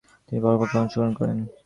তিনি পরোক্ষভাবে অংশগ্রহণ করেন।